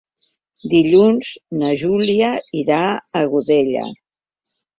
Dilluns na Júlia irà a Godella.